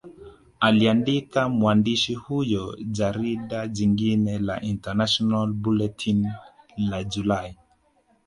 Aliandika mwandishi huyo Jarida jingine la International Bulletin la Julai